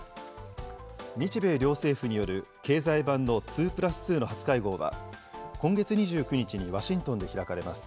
日米両政府による経済版の２プラス２の初会合は今月２９日にワシントンで開かれます。